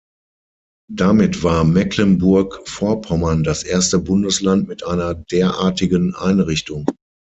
Damit war Mecklenburg-Vorpommern das erste Bundesland mit einer derartigen Einrichtung.